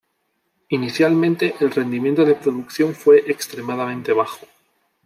Inicialmente el rendimiento de producción fue extremadamente bajo.